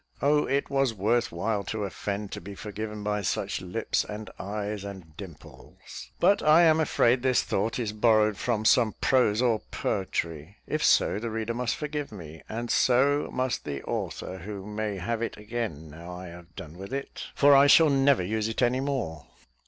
Oh, it was worth while to offend to be forgiven by such lips, and eyes, and dimples. But I am afraid this thought is borrowed from some prose or poetry; if so, the reader must forgive me, and so must the author, who may have it again, now I have done with it, for I shall never use it any more.